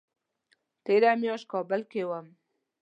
تېره میاشت کابل کې وم